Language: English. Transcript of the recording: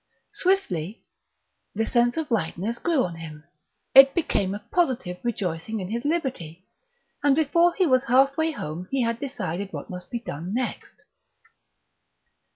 Swiftly the sense of lightness grew on him: it became a positive rejoicing in his liberty; and before he was halfway home he had decided what must be done next.